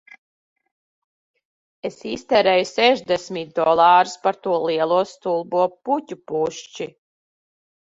Es iztērēju sešdesmit dolārus par to lielo stulbo puķu pušķi